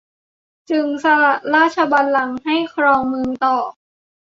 จึงสละราชบัลลังก์ให้ครองเมืองต่อ